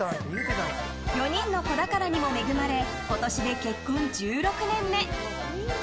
４人の子宝にも恵まれ今年で結婚１６年目。